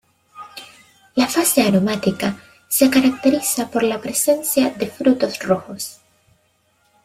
La fase aromática se caracteriza por la presencia de frutos rojos.